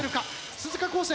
鈴鹿高専